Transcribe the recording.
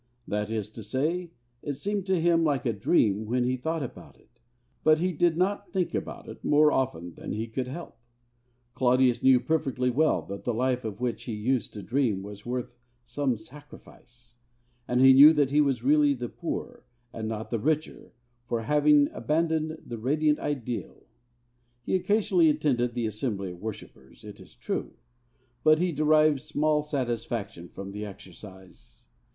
That is to say, it seemed to him like a dream when he thought about it; but he did not think about it more often than he could help. Claudius knew perfectly well that the life of which he used to dream was worth some sacrifice; and he knew that he was really the poorer, and not the richer, for having abandoned that radiant ideal. He occasionally attended the assembly of worshippers, it is true; but he derived small satisfaction from the exercise.